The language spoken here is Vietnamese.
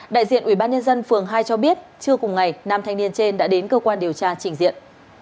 đại diện ubnd phường hai cho biết trưa cùng ngày năm thanh niên trên đã đến cơ quan điều tra trình diện